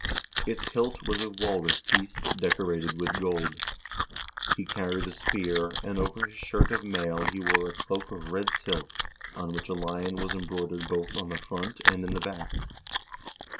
Its hilt was of walrus teeth, decorated with gold. He carried a spear, and over his shirt of mail he wore a cloak of red silk on which a lion was embroidered both on the front and in the back."